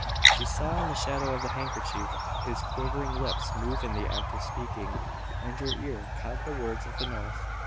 She saw in the shadow of the handkerchief his quivering lips move in the act of speaking, and her ear caught the words of an oath.